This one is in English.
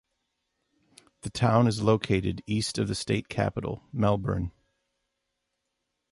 The town is located east of the state capital, Melbourne.